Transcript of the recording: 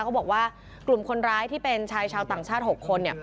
เขาบอกว่ากลุ่มคนร้ายที่เป็นชายชาวต่างชาติ๖คน